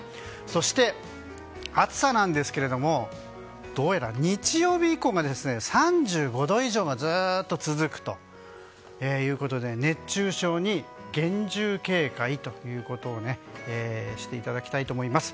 そして、暑さなんですがどうやら日曜日以降が３５度以上がずっと続くということで熱中症に厳重警戒をしていただきたいと思います。